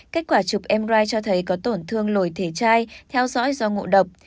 kết quả chụp mri cho thấy có tổn thương lồi thể chai theo dõi do ngộ độc